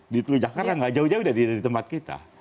di teluk jakarta nggak jauh jauh dari tempat kita